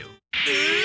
え！？